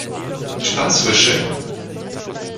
Czy pan słyszy…?